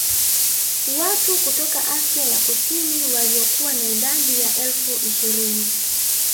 Watu kutoka Asia ya Kusini waliokuwa na idadi ya elfu ishirini